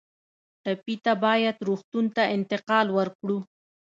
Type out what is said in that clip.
ټپي ته باید روغتون ته انتقال ورکړو.